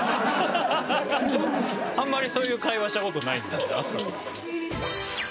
あんまりそういう会話した事ないので飛鳥さんと。